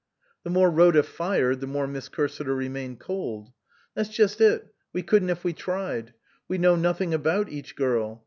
The more Rhoda fired the more Miss Cursiter remained cold. " That's just it we couldn't if we tried. We know nothing about each girl.